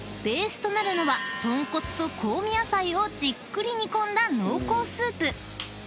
［ベースとなるのは豚骨と香味野菜をじっくり煮込んだ濃厚スープ］